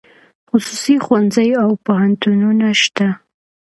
خصوصي ښوونځي او پوهنتونونه شته